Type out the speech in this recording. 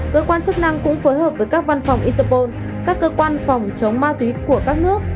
cơ quan chức năng cũng phối hợp với các văn phòng interpol các cơ quan phòng chống ma túy của các nước